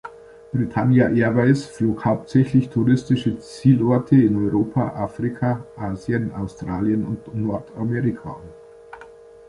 Britannia Airways flog hauptsächlich touristische Zielorte in Europa, Afrika, Asien, Australien und Nordamerika an.